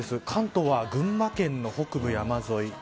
関東は群馬県の北部山沿い